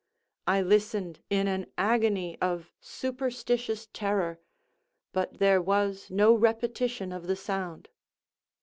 I listened in an agony of superstitious terror—but there was no repetition of the sound.